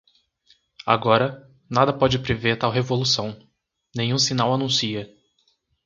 Agora, nada pode prever tal revolução, nenhum sinal anuncia.